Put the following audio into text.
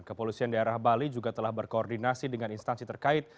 kepolisian daerah bali juga telah berkoordinasi dengan instansi terkait